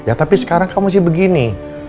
ya tapi sekarang kamu masih begini